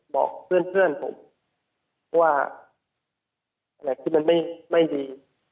บอกเพื่อนเพื่อนผมว่าไม่อะไรที่มันไม่ดี